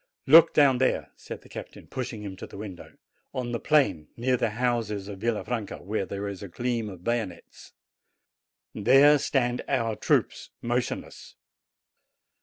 "Look down there," said the captain, pushing him to the window; "on the plain, near the houses of Villa franca, where there is a gleam of bayonets. There stand our troops, motionless.